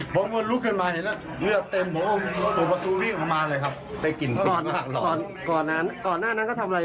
กินเล่าอยู่กับใคร